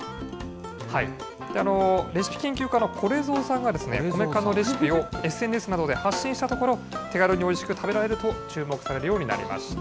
レシピ研究家のこれぞうさんが米化のレシピをＳＮＳなどで発信したところ、手軽においしく食べられると注目されるようになりました。